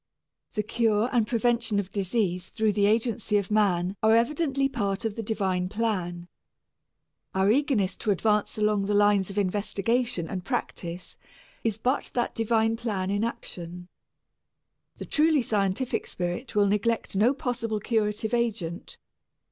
The cure and prevention of disease through the agency of man are evidently part of the divine plan. Our eagerness to advance along the lines of investigation and practice is but that divine plan in action. The truly scientific spirit will neglect no possible curative agent.